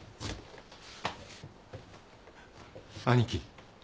兄貴。